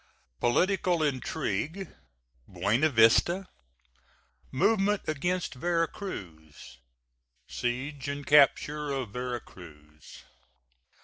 POLITICAL INTRIGUE BUENA VISTA MOVEMENT AGAINST VERA CRUZ SIEGE AND CAPTURE OF VERA CRUZ.